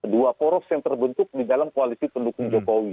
dua poros yang terbentuk di dalam koalisi pendukung jokowi